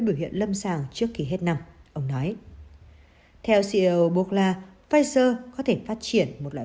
các bác sĩ tâm sàng trước khi hết năm ông nói theo ceo bukla pfizer có thể phát triển một loại